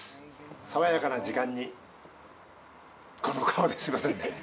さわやかな時間に、この顔ですみませんね。